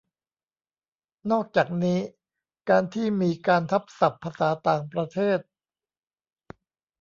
นอกจากนี้ การที่มีการทับศัพท์ภาษาต่างประเทศ